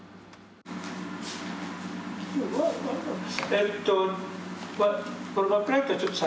えっと